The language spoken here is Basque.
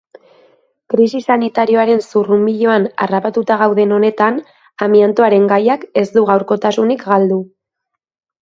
Krisi sanitarioaren zurrunbiloan harrapatuta gauden honetan, amiantoaren gaiak ez du gaurkotasunik galdu.